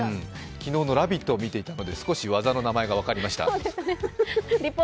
昨日の「ラヴィット！」を見ていたので少し技の名前が分かりました。